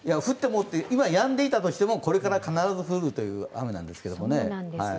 今やんでいたとしても、これから必ず降るという雨なんですけどね。